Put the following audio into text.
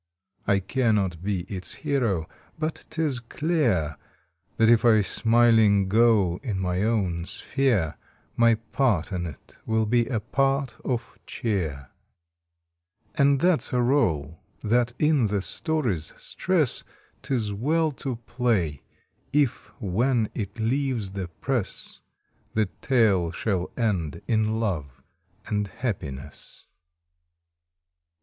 I cannot be its hero, but tis clear That if I smiling go in my own sphere My part in it will be a part of cheer And that s a role that in the story s stress Tis well to play if when it leaves the press The tale shall end in love and happiness.